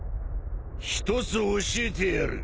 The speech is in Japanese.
一つ教えてやる。